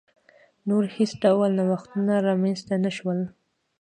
نور هېڅ ډول نوښتونه رامنځته نه شول.